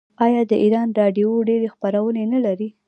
آیا د ایران راډیو ډیرې خپرونې نلري؟